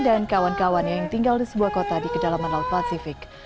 dan kawan kawan yang tinggal di sebuah kota di kedalaman alpacific